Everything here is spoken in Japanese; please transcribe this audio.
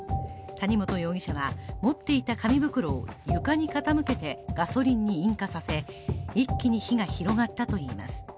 谷本容疑者は、持っていた紙袋を床に傾けてガソリンに引火させ、一気に火が広がったといいます。